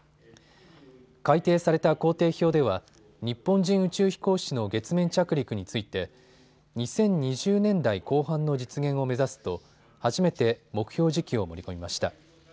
改訂された工程表では日本人宇宙飛行士の月面着陸について２０２０年代後半の実現を目指すと初めて目標時期を盛り込みました。